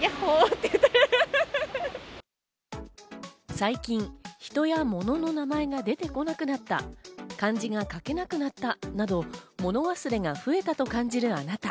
最近、人や物の名前が出てこなくなった、漢字が書けなくなったなど、もの忘れが増えたと感じるあなた。